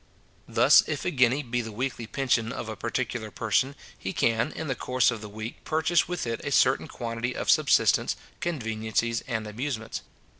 Thus, if a guinea be the weekly pension of a particular person, he can in the course of the week purchase with it a certain quantity of subsistence, conveniencies, and amusements.